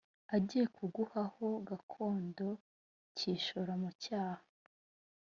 agiye kuguha ho gakondo cyishora mu cyaha